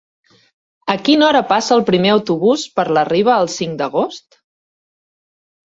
A quina hora passa el primer autobús per la Riba el cinc d'agost?